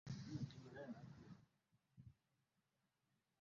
na afc leopards ule uwanja wa city mulikuwa munacheza mnatetea klabu yenu kwanza